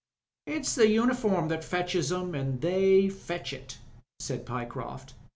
''It's the uniform that fetches 'em, an' they fetch it," said Pyecroft.